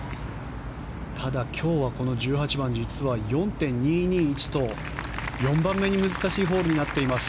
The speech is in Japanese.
ただ今日は１８番、実は４．２２１と４番目に難しいホールになっています。